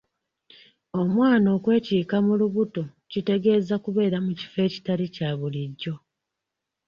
Omwana okwekiika mu lubuto kitegeeza kubeera mu kifo ekitali kya bulijjo.